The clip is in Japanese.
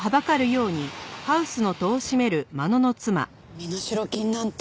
身代金なんて。